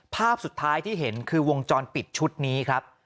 ภาพสุดท้ายที่เห็นคือวงจรปิดชุดนี้ครับ